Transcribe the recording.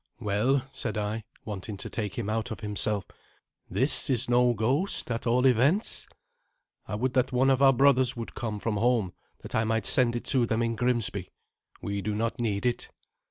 "Well," said I, wanting to take him out of himself, "this is no ghost, at all events. I would that one of our brothers would come from home that I might send it to them in Grimsby. We do not need it."